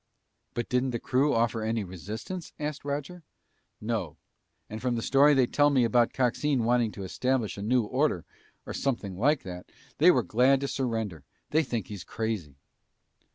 "But didn't the crew offer any resistance?" asked Roger. "No, and from the story they tell me about Coxine wanting to establish a new order, or something like that, they were glad to surrender. They think he's crazy."